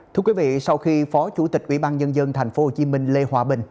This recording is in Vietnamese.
thưa quý vị sau khi phó chủ tịch ubnd tp hcm lê hòa bình